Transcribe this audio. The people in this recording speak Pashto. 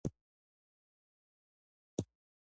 په شعرونو کې د انارو یادونه شوې.